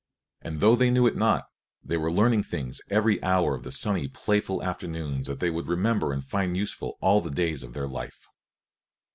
And though they knew it not, they were learning things every hour of the sunny, playful afternoons that they would remember and find useful all the days of their life.